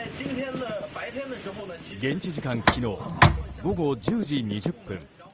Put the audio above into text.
現地時間、昨日午後１０時２０分